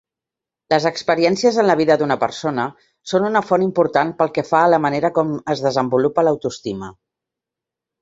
Les experiències en la vida d'una persona són una font important pel que fa a la manera com es desenvolupa l'autoestima.